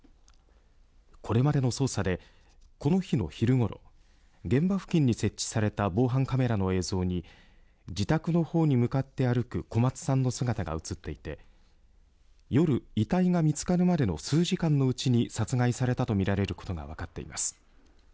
これまでの捜査でこの日の昼ごろ現場付近に設置された防犯カメラの映像に自宅の方に向かって歩く小松さんの姿が映っていて夜、遺体が見つかるまでの数時間のうちに殺害されたと見られることが分かっています。